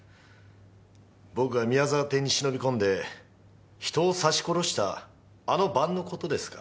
僕が宮澤邸に忍び込んで人を刺し殺したあの晩の事ですか？